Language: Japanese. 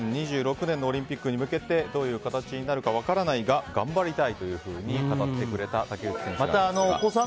２０２６年のオリンピックに向けてどういう形になるか分からないが頑張りたいというふうに語ってくれた竹内選手でしたが。